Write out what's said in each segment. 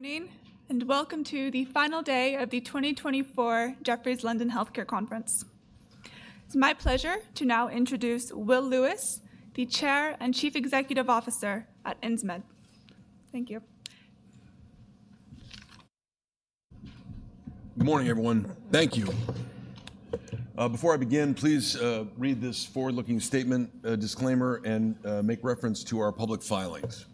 Morning, and welcome to the final day of the 2024 Jefferies London Healthcare Conference. It's my pleasure to now introduce Will Lewis, the Chair and Chief Executive Officer at Insmed. Thank you. Good morning, everyone. Thank you. Before I begin, please read this forward-looking statement, disclaimer, and make reference to our public filings.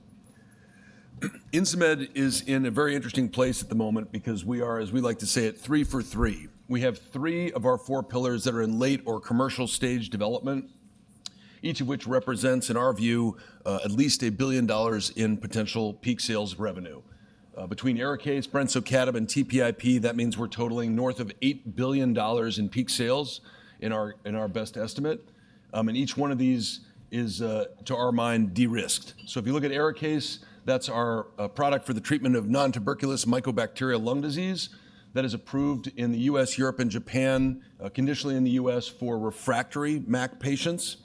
Insmed is in a very interesting place at the moment because we are, as we like to say, at three for three. We have three of our four pillars that are in late or commercial stage development, each of which represents, in our view, at least $1 billion in potential peak sales revenue. Between Arikayce, Brensocatib, and TPIP, that means we're totaling north of $8 billion in peak sales in our best estimate. And each one of these is, to our mind, de-risked. So if you look at Arikayce, that's our product for the treatment of nontuberculosis mycobacterial lung disease. That is approved in the U.S., Europe, and Japan, conditionally in the U.S. for refractory MAC patients.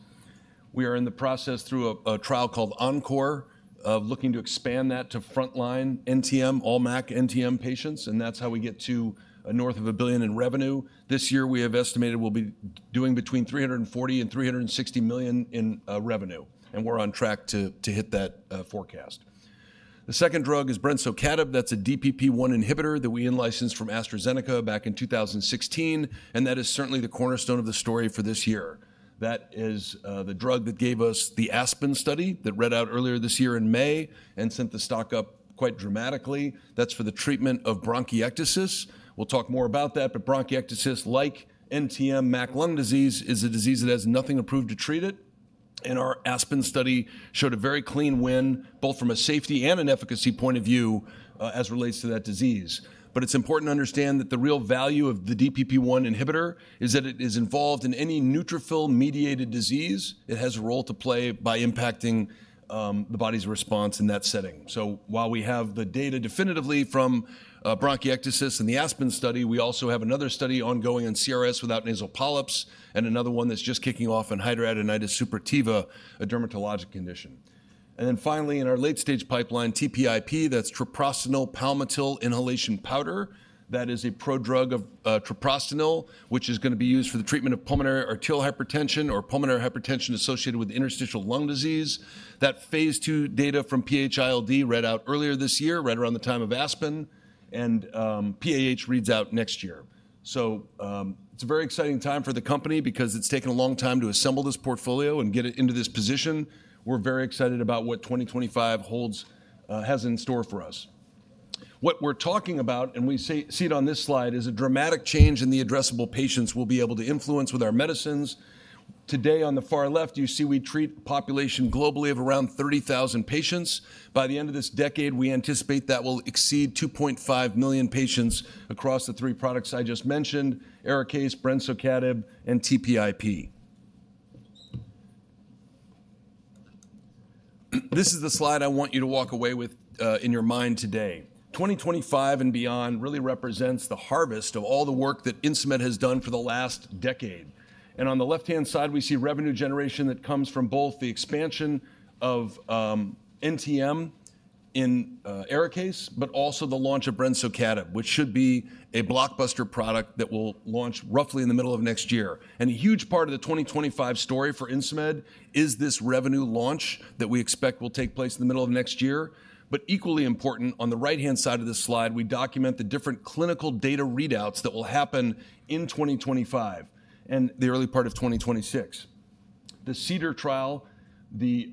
We are in the process, through a trial called ENCORE, of looking to expand that to frontline NTM, all MAC NTM patients, and that's how we get to north of a billion in revenue. This year, we have estimated we'll be doing between $340-$360 million in revenue, and we're on track to hit that forecast. The second drug is Brensocatib. That's a DPP-1 inhibitor that we licensed from AstraZeneca back in 2016, and that is certainly the cornerstone of the story for this year. That is the drug that gave us the ASPEN study that read out earlier this year in May and sent the stock up quite dramatically. That's for the treatment of bronchiectasis. We'll talk more about that, but bronchiectasis, like NTM MAC lung disease, is a disease that has nothing approved to treat it, and our Aspen study showed a very clean win, both from a safety and an efficacy point of view as it relates to that disease, but it's important to understand that the real value of the DPP-1 inhibitor is that it is involved in any neutrophil-mediated disease. It has a role to play by impacting the body's response in that setting, so while we have the data definitively from bronchiectasis and the Aspen study, we also have another study ongoing on CRS without nasal polyps, and another one that's just kicking off on hidradenitis suppurativa, a dermatologic condition, and then finally, in our late-stage pipeline, TPIP, that's Treprostinil Palmitil Inhalation Powder. That is a prodrug of treprostinil, which is going to be used for the treatment of pulmonary arterial hypertension or pulmonary hypertension associated with interstitial lung disease. That phase 2 data from PH-ILD read out earlier this year, right around the time of ASPEN, and PAH reads out next year. It's a very exciting time for the company because it's taken a long time to assemble this portfolio and get it into this position. We're very excited about what 2025 has in store for us. What we're talking about, and we see it on this slide, is a dramatic change in the addressable patients we'll be able to influence with our medicines. Today, on the far left, you see we treat a population globally of around 30,000 patients. By the end of this decade, we anticipate that will exceed 2.5 million patients across the three products I just mentioned: Arikayce, Brensocatib, and TPIP. This is the slide I want you to walk away with in your mind today. 2025 and beyond really represents the harvest of all the work that Insmed has done for the last decade. And on the left-hand side, we see revenue generation that comes from both the expansion of NTM in Arikayce, but also the launch of Brensocatib, which should be a blockbuster product that will launch roughly in the middle of next year. And a huge part of the 2025 story for Insmed is this revenue launch that we expect will take place in the middle of next year. But equally important, on the right-hand side of this slide, we document the different clinical data readouts that will happen in 2025 and the early part of 2026. The CEDAR trial, the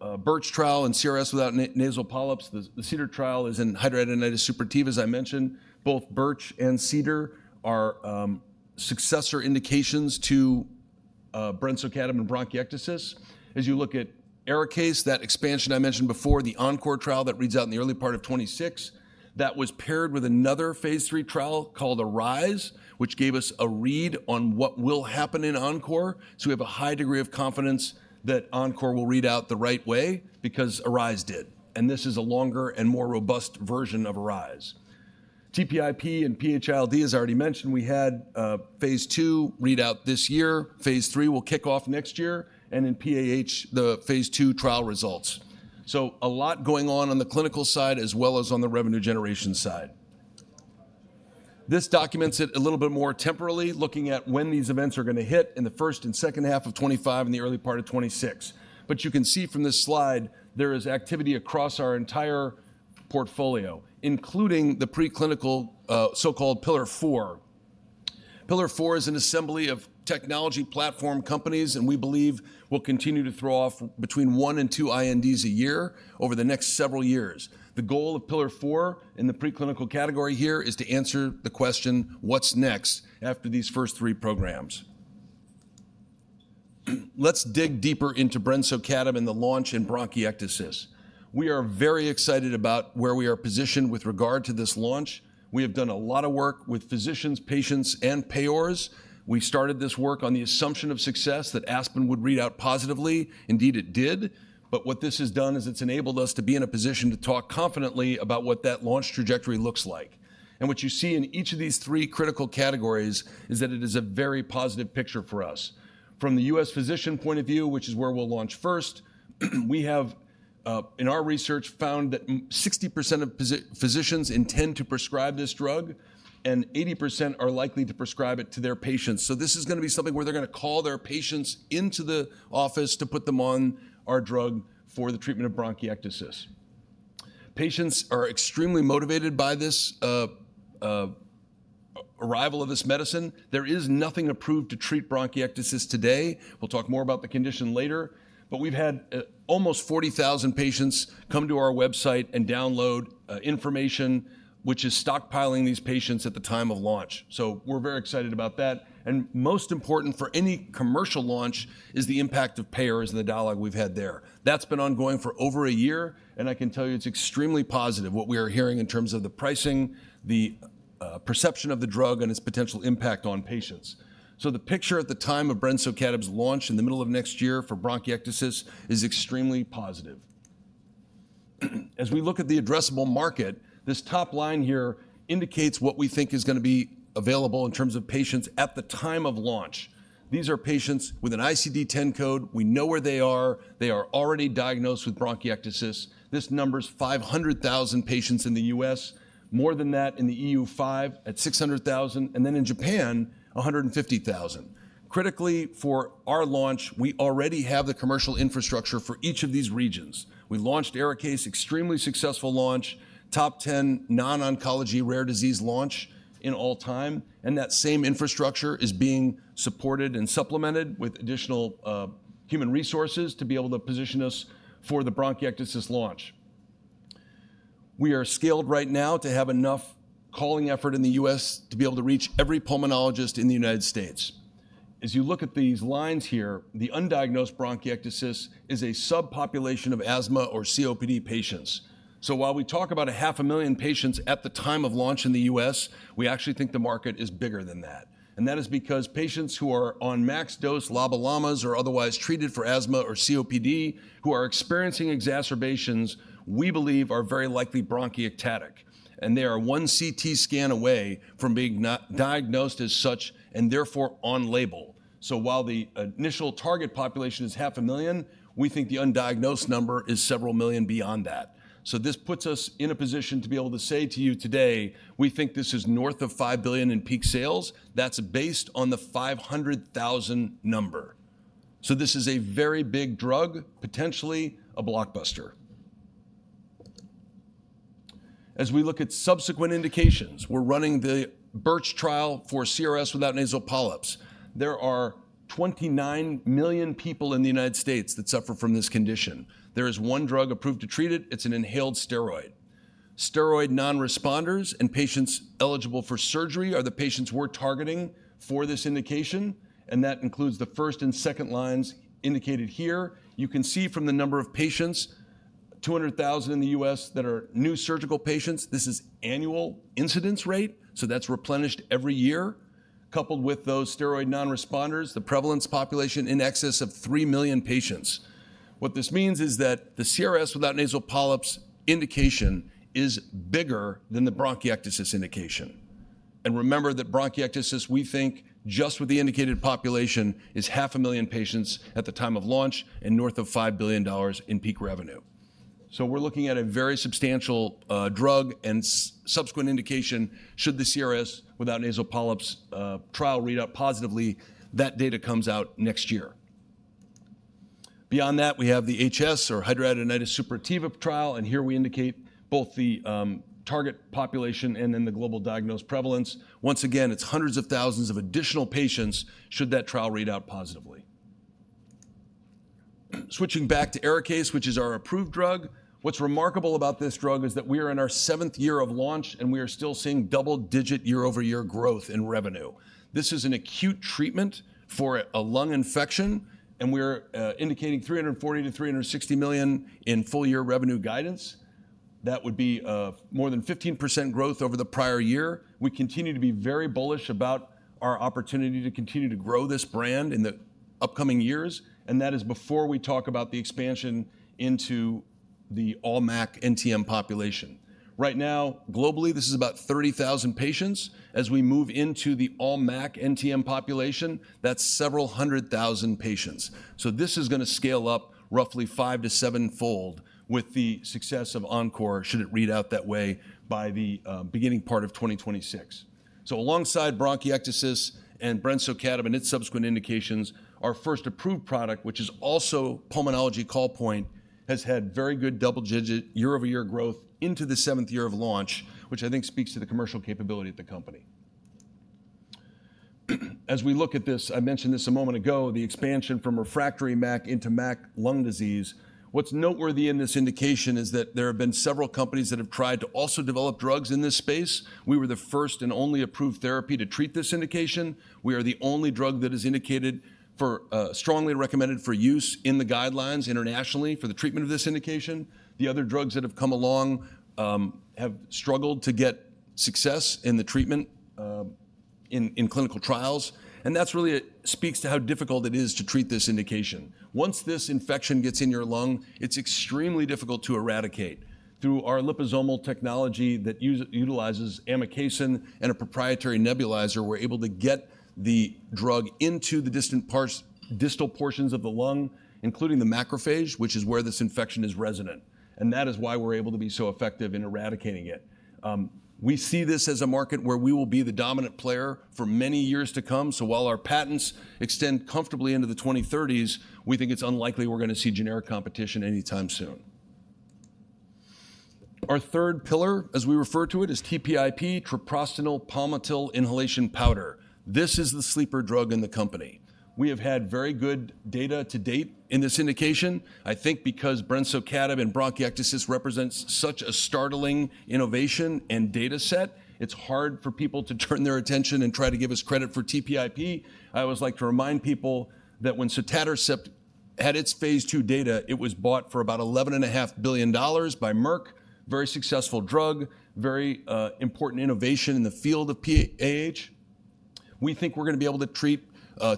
BIRCH trial in CRS without nasal polyps, the CEDAR trial is in hidradenitis suppurativa, as I mentioned. Both BIRCH and CEDAR are successor indications to Brensocatib in bronchiectasis. As you look at Arikayce, that expansion I mentioned before, the ENCORE trial that reads out in the early part of 2026, that was paired with another phase 3 trial called ARISE, which gave us a read on what will happen in ENCORE. So we have a high degree of confidence that ENCORE will read out the right way because ARISE did, and this is a longer and more robust version of ARISE. TPIP and PH-ILD, as I already mentioned, we had phase 2 readout this year. Phase 3 will kick off next year, and in PAH, the phase 2 trial results. So a lot going on on the clinical side as well as on the revenue generation side. This documents it a little bit more temporally, looking at when these events are going to hit in the first and second half of 2025 and the early part of 2026. But you can see from this slide there is activity across our entire portfolio, including the preclinical so-called Pillar Four. Pillar Four is an assembly of technology platform companies, and we believe we'll continue to throw off between one and two INDs a year over the next several years. The goal of Pillar Four in the preclinical category here is to answer the question, what's next after these first three programs? Let's dig deeper into Brensocatib and the launch in bronchiectasis. We are very excited about where we are positioned with regard to this launch. We have done a lot of work with physicians, patients, and payors. We started this work on the assumption of success that ASPEN would read out positively. Indeed, it did. But what this has done is it's enabled us to be in a position to talk confidently about what that launch trajectory looks like. And what you see in each of these three critical categories is that it is a very positive picture for us. From the U.S. physician point of view, which is where we'll launch first, we have, in our research, found that 60% of physicians intend to prescribe this drug, and 80% are likely to prescribe it to their patients. So this is going to be something where they're going to call their patients into the office to put them on our drug for the treatment of bronchiectasis. Patients are extremely motivated by this arrival of this medicine. There is nothing approved to treat bronchiectasis today. We'll talk more about the condition later. But we've had almost 40,000 patients come to our website and download information, which is stockpiling these patients at the time of launch. So we're very excited about that. And most important for any commercial launch is the impact of payors and the dialogue we've had there. That's been ongoing for over a year, and I can tell you it's extremely positive, what we are hearing in terms of the pricing, the perception of the drug, and its potential impact on patients. The picture at the time of Brensocatib's launch in the middle of next year for bronchiectasis is extremely positive. As we look at the addressable market, this top line here indicates what we think is going to be available in terms of patients at the time of launch. These are patients with an ICD-10 code. We know where they are. They are already diagnosed with bronchiectasis. This is 500,000 patients in the U.S., more than that in the E.U., 500,000, and then in Japan, 150,000. Critically, for our launch, we already have the commercial infrastructure for each of these regions. We launched Arikayce, extremely successful launch, top 10 non-oncology rare disease launch of all time. And that same infrastructure is being supported and supplemented with additional human resources to be able to position us for the bronchiectasis launch. We are scaled right now to have enough calling effort in the U.S. to be able to reach every pulmonologist in the United States. As you look at these lines here, the undiagnosed bronchiectasis is a subpopulation of asthma or COPD patients. So while we talk about 500,000 patients at the time of launch in the U.S., we actually think the market is bigger than that. And that is because patients who are on max dose LABA/LAMAs or otherwise treated for asthma or COPD, who are experiencing exacerbations, we believe are very likely bronchiectatic. And they are one CT scan away from being diagnosed as such and therefore on label. So while the initial target population is 500,000, we think the undiagnosed number is several million beyond that. So this puts us in a position to be able to say to you today, we think this is north of $5 billion in peak sales. That's based on the 500,000 number. So this is a very big drug, potentially a blockbuster. As we look at subsequent indications, we're running the BIRCH trial for CRS without nasal polyps. There are 29 million people in the United States that suffer from this condition. There is one drug approved to treat it. It's an inhaled steroid. Steroid non-responders and patients eligible for surgery are the patients we're targeting for this indication, and that includes the first and second lines indicated here. You can see from the number of patients, 200,000 in the U.S. that are new surgical patients. This is annual incidence rate, so that's replenished every year, coupled with those steroid non-responders, the prevalence population in excess of 3 million patients. What this means is that the CRS without nasal polyps indication is bigger than the bronchiectasis indication. And remember that bronchiectasis, we think, just with the indicated population is 500,000 patients at the time of launch and north of $5 billion in peak revenue. So we're looking at a very substantial drug and subsequent indication should the CRS without nasal polyps trial read out positively. That data comes out next year. Beyond that, we have the HS or hidradenitis suppurativa trial, and here we indicate both the target population and then the global diagnosed prevalence. Once again, it's hundreds of thousands of additional patients should that trial read out positively. Switching back to Arikayce, which is our approved drug, what's remarkable about this drug is that we are in our seventh year of launch, and we are still seeing double-digit year-over-year growth in revenue. This is an acute treatment for a lung infection, and we're indicating $340 million-$360 million in full-year revenue guidance. That would be more than 15% growth over the prior year. We continue to be very bullish about our opportunity to continue to grow this brand in the upcoming years, and that is before we talk about the expansion into the all MAC NTM population. Right now, globally, this is about 30,000 patients. As we move into the all MAC NTM population, that's several hundred thousand patients. So this is going to scale up roughly five to seven-fold with the success of ENCORE, should it read out that way, by the beginning part of 2026. Alongside bronchiectasis and Brensocatib and its subsequent indications, our first approved product, which is also pulmonology call point, has had very good double-digit year-over-year growth into the seventh year of launch, which I think speaks to the commercial capability of the company. As we look at this, I mentioned this a moment ago. The expansion from refractory MAC into MAC lung disease. What's noteworthy in this indication is that there have been several companies that have tried to also develop drugs in this space. We were the first and only approved therapy to treat this indication. We are the only drug that is indicated, strongly recommended for use in the guidelines internationally for the treatment of this indication. The other drugs that have come along have struggled to get success in the treatment in clinical trials, and that really speaks to how difficult it is to treat this indication. Once this infection gets in your lung, it's extremely difficult to eradicate. Through our liposomal technology that utilizes amikacin and a proprietary nebulizer, we're able to get the drug into the distal portions of the lung, including the macrophage, which is where this infection is resident. And that is why we're able to be so effective in eradicating it. We see this as a market where we will be the dominant player for many years to come. So while our patents extend comfortably into the 2030s, we think it's unlikely we're going to see generic competition anytime soon. Our third pillar, as we refer to it, is TPIP, Treprostinil Palmitil Inhalation Powder. This is the sleeper drug in the company. We have had very good data to date in this indication. I think because Brensocatib and bronchiectasis represents such a startling innovation and data set, it's hard for people to turn their attention and try to give us credit for TPIP. I always like to remind people that when sotatercept had its phase two data, it was bought for about $11.5 billion by Merck, very successful drug, very important innovation in the field of PAH. We think we're going to be able to treat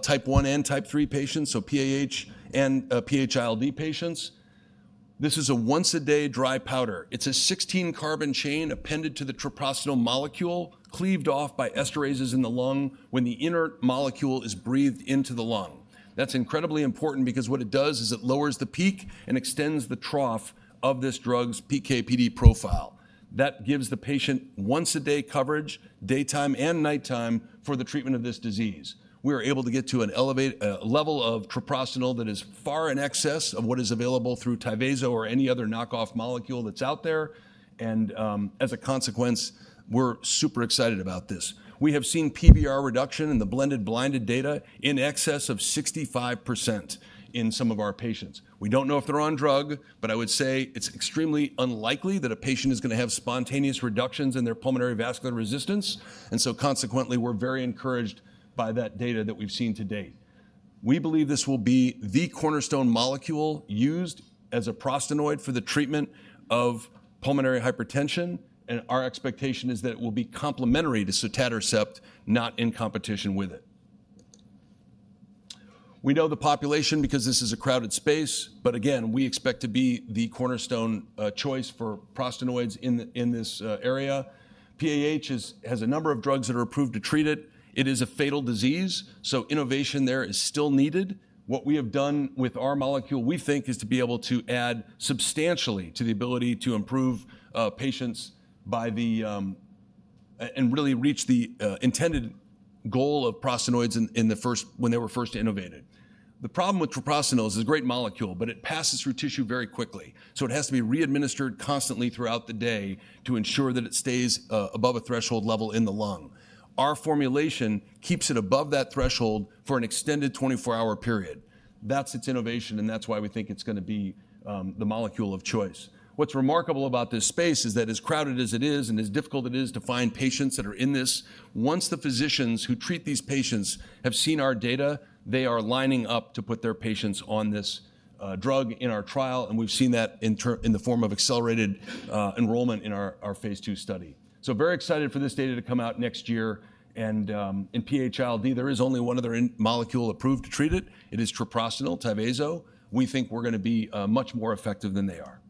type 1 and type 3 patients, so PAH and PH-ILD patients. This is a once-a-day dry powder. It's a 16-carbon chain appended to the treprostinil molecule, cleaved off by esterases in the lung when the inner molecule is breathed into the lung. That's incredibly important because what it does is it lowers the peak and extends the trough of this drug's PK/PD profile. That gives the patient once-a-day coverage, daytime and nighttime, for the treatment of this disease. We are able to get to a level of treprostinil that is far in excess of what is available through Tyvaso or any other knockoff molecule that's out there. And as a consequence, we're super excited about this. We have seen PVR reduction in the blended blinded data in excess of 65% in some of our patients. We don't know if they're on drug, but I would say it's extremely unlikely that a patient is going to have spontaneous reductions in their pulmonary vascular resistance. And so consequently, we're very encouraged by that data that we've seen to date. We believe this will be the cornerstone molecule used as a prostanoid for the treatment of pulmonary hypertension, and our expectation is that it will be complementary to sotatercept, not in competition with it. We know the population because this is a crowded space, but again, we expect to be the cornerstone choice for prostanoids in this area. PAH has a number of drugs that are approved to treat it. It is a fatal disease, so innovation there is still needed. What we have done with our molecule, we think, is to be able to add substantially to the ability to improve patients by them and really reach the intended goal of prostanoids when they were first innovated. The problem with treprostinil is a great molecule, but it passes through tissue very quickly. So it has to be readministered constantly throughout the day to ensure that it stays above a threshold level in the lung. Our formulation keeps it above that threshold for an extended 24-hour period. That's its innovation, and that's why we think it's going to be the molecule of choice. What's remarkable about this space is that as crowded as it is and as difficult it is to find patients that are in this, once the physicians who treat these patients have seen our data, they are lining up to put their patients on this drug in our trial, and we've seen that in the form of accelerated enrollment in our phase two study, so very excited for this data to come out next year, and in PH-ILD, there is only one other molecule approved to treat it. It is treprostinil, Tyvaso. We think we're going to be much more effective than they are,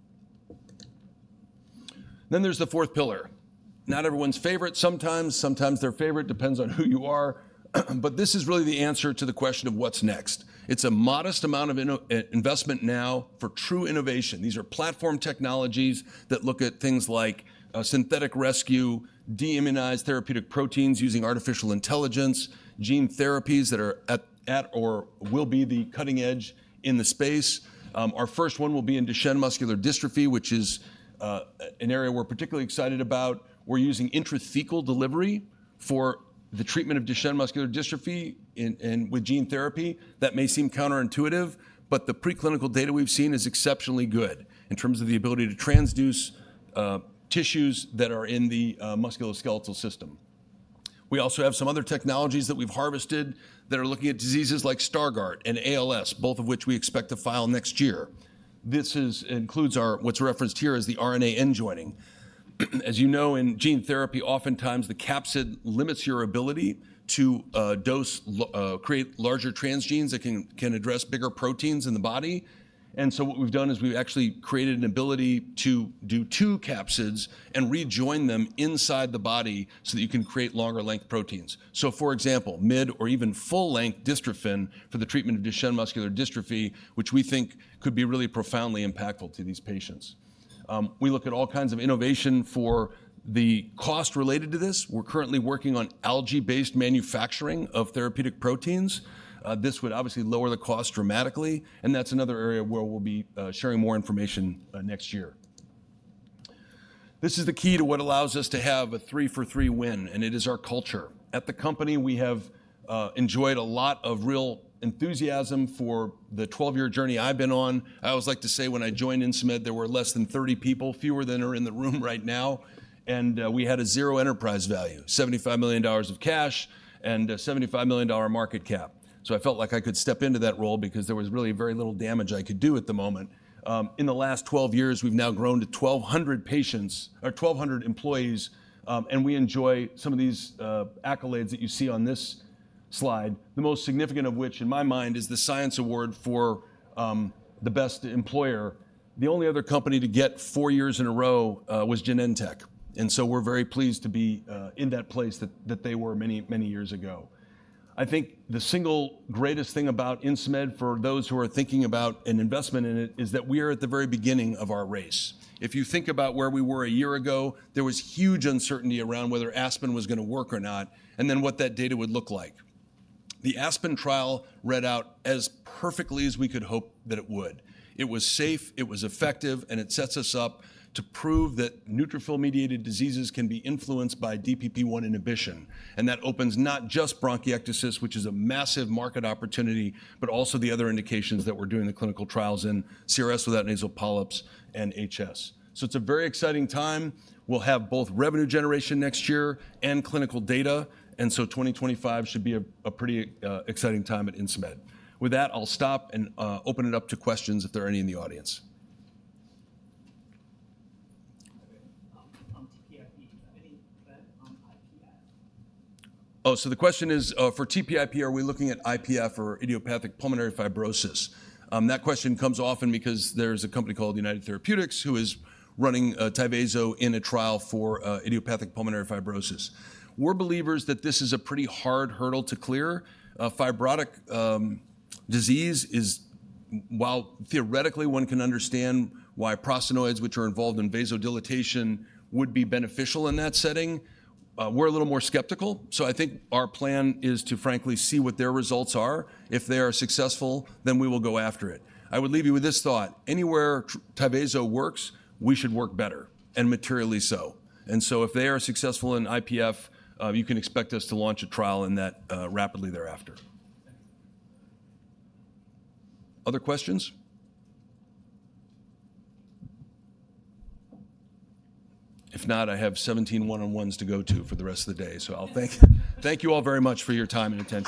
then there's the fourth pillar. Not everyone's favorite sometimes. Sometimes their favorite depends on who you are, but this is really the answer to the question of what's next. It's a modest amount of investment now for true innovation. These are platform technologies that look at things like synthetic rescue, deimmunized therapeutic proteins using artificial intelligence, gene therapies that are at or will be the cutting edge in the space. Our first one will be in Duchenne muscular dystrophy, which is an area we're particularly excited about. We're using intrathecal delivery for the treatment of Duchenne muscular dystrophy with gene therapy. That may seem counterintuitive, but the preclinical data we've seen is exceptionally good in terms of the ability to transduce tissues that are in the musculoskeletal system. We also have some other technologies that we've harvested that are looking at diseases like Stargardt and ALS, both of which we expect to file next year. This includes what's referenced here as the RNA end joining. As you know, in gene therapy, oftentimes the capsid limits your ability to create larger transgenes that can address bigger proteins in the body. What we've done is we've actually created an ability to do two capsids and rejoin them inside the body so that you can create longer-length proteins. For example, mid or even full-length dystrophin for the treatment of Duchenne muscular dystrophy, which we think could be really profoundly impactful to these patients. We look at all kinds of innovation for the cost related to this. We're currently working on algae-based manufacturing of therapeutic proteins. This would obviously lower the cost dramatically, and that's another area where we'll be sharing more information next year. This is the key to what allows us to have a three-for-three win, and it is our culture. At the company, we have enjoyed a lot of real enthusiasm for the 12-year journey I've been on. I always like to say when I joined Insmed, there were less than 30 people, fewer than are in the room right now, and we had a zero enterprise value, $75 million of cash and a $75 million market cap. So I felt like I could step into that role because there was really very little damage I could do at the moment. In the last 12 years, we've now grown to 1,200 employees, and we enjoy some of these accolades that you see on this slide, the most significant of which, in my mind, is the Science Award for the best employer. The only other company to get four years in a row was Genentech, and so we're very pleased to be in that place that they were many, many years ago. I think the single greatest thing about Insmed, for those who are thinking about an investment in it, is that we are at the very beginning of our race. If you think about where we were a year ago, there was huge uncertainty around whether ASPEN was going to work or not and then what that data would look like. The ASPEN trial read out as perfectly as we could hope that it would. It was safe, it was effective, and it sets us up to prove that neutrophil-mediated diseases can be influenced by DPP-1 inhibition. And that opens not just bronchiectasis, which is a massive market opportunity, but also the other indications that we're doing the clinical trials in CRS without nasal polyps and HS. So it's a very exciting time. We'll have both revenue generation next year and clinical data, and so 2025 should be a pretty exciting time at Insmed. With that, I'll stop and open it up to questions if there are any in the audience. On TPIP, do you have any read on IPF? Oh, so the question is, for TPIP, are we looking at IPF or idiopathic pulmonary fibrosis? That question comes often because there's a company called United Therapeutics who is running Tyvaso in a trial for idiopathic pulmonary fibrosis. We're believers that this is a pretty hard hurdle to clear. Fibrotic disease is, while theoretically one can understand why prostanoids, which are involved in vasodilation, would be beneficial in that setting, we're a little more skeptical. So I think our plan is to frankly see what their results are. If they are successful, then we will go after it. I would leave you with this thought: anywhere Tyvaso works, we should work better, and materially so. And so if they are successful in IPF, you can expect us to launch a trial in that rapidly thereafter. Other questions? If not, I have 17 one-on-ones to go to for the rest of the day. So I'll thank you all very much for your time and attention.